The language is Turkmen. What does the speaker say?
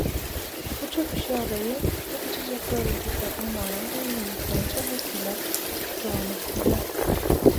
Bu çöküş ýagdaýy, bu kiçijek bölejikler ummanyň düýbüne ýetýänçä hepdeläp dowam edip bilýär.